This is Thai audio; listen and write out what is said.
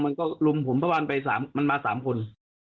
มันก็ลุมผมพระวันไปสามมันมาสามคน